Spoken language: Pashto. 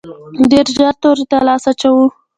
ډېر ژر تورې ته لاس اچوو.